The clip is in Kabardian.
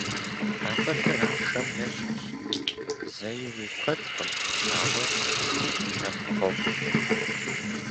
Акъылыр ахъшэм ещхьщ, зэи уи куэдкъым, ауэ щычэм къохъу.